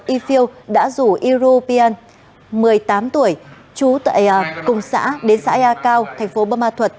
y phil đã rủ y ru pian một mươi tám tuổi trú tại cùng xã đến xã yer cao thành phố bù ma thuật